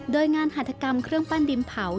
โดยงานหัฐกรรมเครื่องปั้นดินเผา